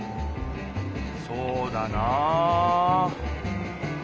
そうだな。